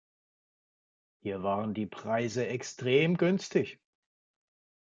Hier waren die Preise extrem günstig.